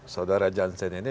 saudara jansen ini